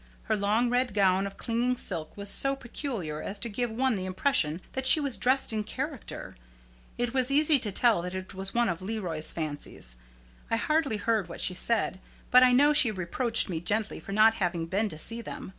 Her long red gown of clinging silk was so peculiar as to give one the impression that she was dressed in character. It was easy to tell that it was one of Leroy's fancies. I hardly heard what she said, but I know she reproached me gently for not having been to see them.